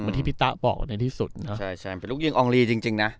เหมือนที่พี่ตาบอกในที่สุดนะใช่ใช่เป็นลูกยิงอองรีจริงจริงน่ะ